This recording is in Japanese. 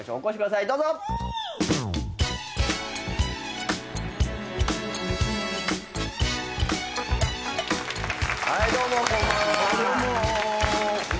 はいどうもこんばんは。